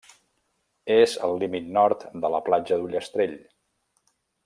És el límit nord de la Platja d'Ullastrell.